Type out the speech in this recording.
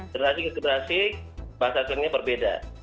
generasi ke generasi bahasa slang nya berbeda